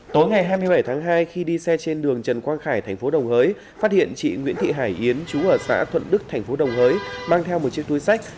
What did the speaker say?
tối ngày hai mươi bảy tháng hai khi đi xe trên đường trần quang khải thành phố đồng hới phát hiện chị nguyễn thị hải yến chú ở xã thuận đức thành phố đồng hới mang theo một chiếc túi sách